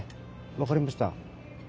分かりました。